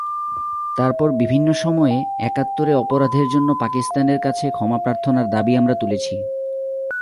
তারপর বিভিন্ন সময়ে একাত্তরে অপরাধের জন্য পাকিস্তানের কাছে ক্ষমাপ্রার্থনার দাবি আমরা তুলেছি।